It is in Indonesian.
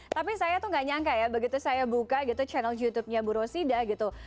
tapi saya tuh nggak nyangka ya begitu saya buka channel youtubenya bu rosita gitu